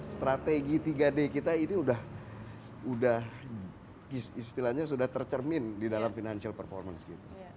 strategi tiga d kita ini udah istilahnya sudah tercermin di dalam financial performance gitu